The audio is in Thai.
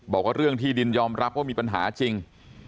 บอกว่าเรื่องที่ดินยอมรับว่ามีปัญหาจริง